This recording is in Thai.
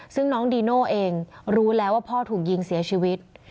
ซึ่งน้องดีโน่เองรู้แล้วว่าพ่อถูกยิงเสียชีวิต